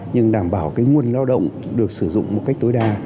nhưng đảm bảo cái nguồn lao động được sử dụng một cách tối đa